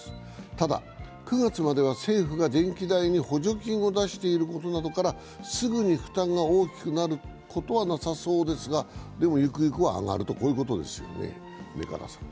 ただ、９月までは政府が電気代に補助金を出していることなどからすぐに負担が大きくなることはなさそうですがでも、ゆくゆくは上がるということですよね。